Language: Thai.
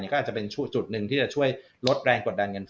ก็อาจจะเป็นจุดหนึ่งที่จะช่วยลดแรงกดดันเงิน